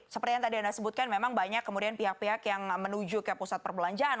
seperti yang tadi anda sebutkan memang banyak kemudian pihak pihak yang menuju ke pusat perbelanjaan